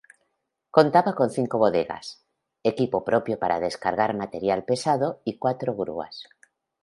Contaba con cinco bodegas, equipo propio para descargar material pesado y cuatro grúas.